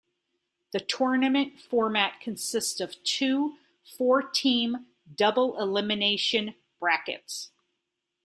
The tournament format consists of two four-team double-elimination brackets.